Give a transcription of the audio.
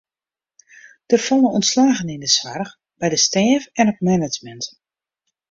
Der falle ûntslaggen yn de soarch, by de stêf en it management.